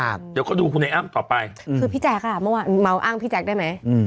ค่ะเดี๋ยวก็ดูคุณแอ้มต่อไปคือพี่แจ๊กค่ะเมื่อวานมาอ้างพี่แจ๊กได้ไหม